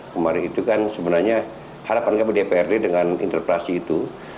kemarin itu kan sebenarnya harapan kami dprd dengan interpelasi itu